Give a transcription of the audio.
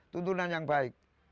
tuntunan yang baik